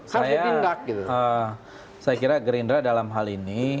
saya kira gerindra dalam hal ini